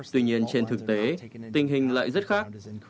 tuy nhiên trên thực tế tình hình lại rất khác